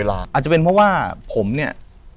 อาจจะเป็นเพราะว่าผมเนี่ย